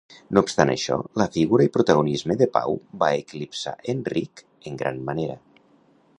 No obstant això, la figura i protagonisme de Pau va eclipsar Enric en gran manera.